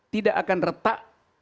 tidak akan retak